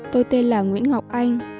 tôi tên là nguyễn ngọc anh